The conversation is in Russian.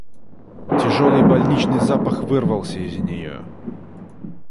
Тяжелый больничный запах вырвался из нее.